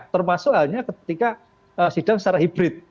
termasuk halnya ketika sidang secara hibrid